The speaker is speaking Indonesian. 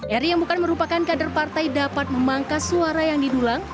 eri yang bukan merupakan kader partai dapat memangkas suara yang didulang